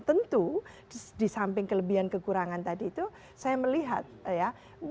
tentu di samping kelebihan kekurangan tadi itu saya melihat ya